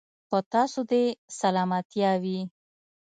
په تاسو دې سلامتيا وي.